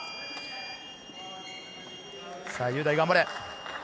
雄大、頑張れ！